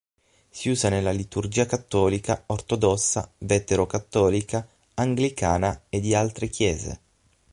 Si usa nella liturgia cattolica, ortodossa, vetero-cattolica, anglicana e di altre Chiese.